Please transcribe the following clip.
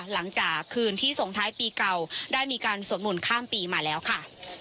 หลังจากคืนที่ส่งท้ายปีเก่าได้มีการสวดมนต์ข้ามปีมาแล้วค่ะ